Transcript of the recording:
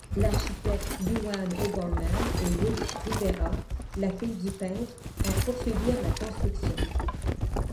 L'architecte Juan O'Gorman et Ruth Rivera, la fille du peintre, en poursuivirent la construction.